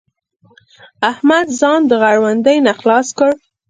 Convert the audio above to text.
احمد ځان د غړوندي نه خلاص کړ.